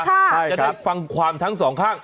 จะได้ฟังความทั้งสองข้าง